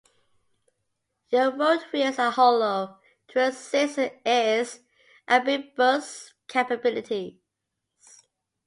The road wheels are hollow to assist its amphibious capabilities.